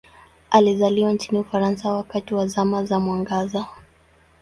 Alizaliwa nchini Ufaransa wakati wa Zama za Mwangaza.